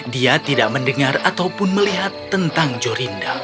dia tidak mendengar ataupun melihat tentang jorinda